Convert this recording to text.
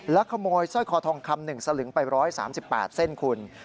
ขโมยสร้อยคอทองคำ๑สลึงไป๑๓๘เส้นคุณ